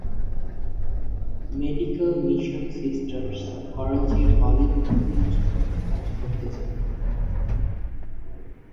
Medical mission sisters করাচির holy family হাসপাতালে কাজ করতে যান।